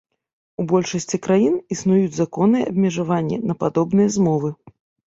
У большасці краін існуюць законныя абмежаванне на падобныя змовы.